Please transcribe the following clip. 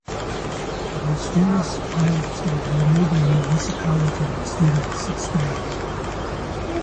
The Mosteiros Islets gave the neighboring municipality of Mosteiros its name.